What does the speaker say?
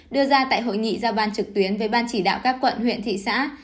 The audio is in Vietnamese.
đưa ra tại hội nghị giao ban trực tuyến với ban chỉ đạo các quận huyện thị xã